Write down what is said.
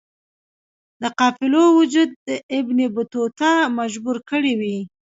د قافلو وجود ابن بطوطه مجبور کړی وی.